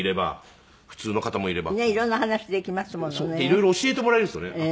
色々教えてもらえるんですよね。